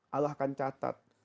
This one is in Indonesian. allah akan catat